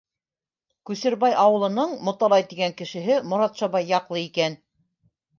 Күсербай ауылының Моталай тигән кешеһе Моратша бай яҡлы икән.